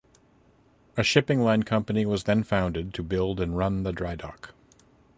A shipping line company was then founded to build and run the dry dock.